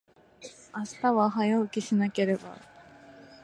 明日は、早起きしなければ。